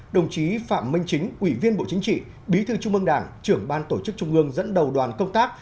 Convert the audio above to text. đồng chí phạm minh chính ủy viên bộ chính trị bí thư trung ương đảng trưởng ban tổ chức trung ương dẫn đầu đoàn công tác